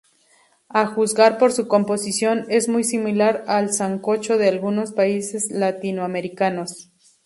A juzgar por su composición, es muy similar al sancocho de algunos países latinoamericanos.